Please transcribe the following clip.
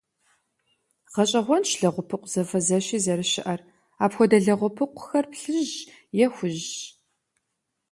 Гъэщӏэгъуэнщ лэгъупыкъу зэфэзэщи зэрыщыӏэр, апхуэдэ лэгъупыкъухэр плъыжьщ е хужьщ.